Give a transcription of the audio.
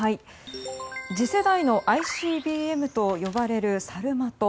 次世代のＩＣＢＭと呼ばれるサルマト。